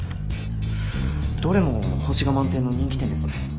どれも星が満点の人気店ですね。